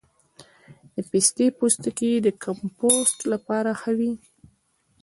د پستې پوستکی د کمپوسټ لپاره ښه دی؟